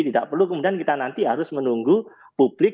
tidak perlu kemudian kita nanti harus menunggu publik